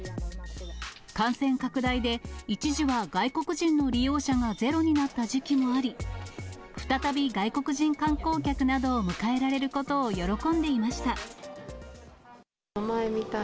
感染拡大で一時は外国人の利用者がゼロになった時期もあり、再び外国人観光客などを迎えられることを喜んでいました。